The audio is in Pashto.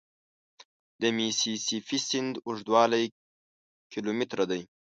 د میسي سي پي سیند اوږدوالی کیلومتره دی.